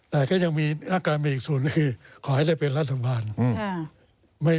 แต่ก็ยังมีอาการมีอีกศูนย์คือขอให้ได้เป็นรัฐบาลอืมใช่